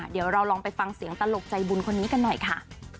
เดี๋ยวเราลองไปฟังเสียงตลกใจบุญคนนี้กันหน่อยค่ะ